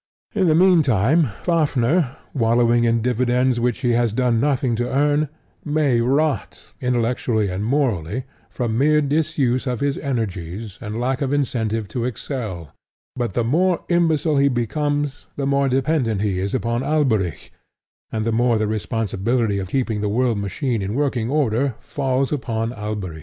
In the meantime, Fafnir, wallowing in dividends which he has done nothing to earn, may rot, intellectually and morally, from mere disuse of his energies and lack of incentive to excel; but the more imbecile he becomes, the more dependent he is upon Alberic, and the more the responsibility of keeping the world machine in working order falls upon Alberic.